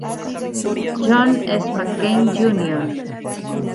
John S. McCain, Jr.